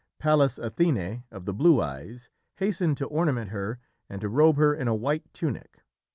Pallas Athené, of the blue eyes, hastened to ornament her and to robe her in a white tunic.